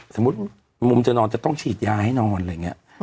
สมมุติมุมจะนอนจะต้องฉีดยาให้นอนอะไรอย่างนี้